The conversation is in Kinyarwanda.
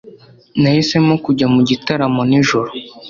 Nahisemo kujya mu gitaramo nijoro